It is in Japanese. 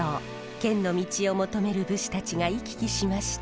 剣の道を求める武士たちが行き来しました。